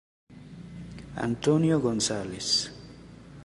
Antonio González